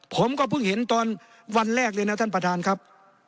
ผมก็เพิ่งเห็นตอนวันแรกเลยนะท่านประธานครับ